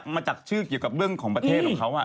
มาจากชื่อเกี่ยวกับเรื่องของประเทศของเขา